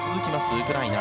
ウクライナ。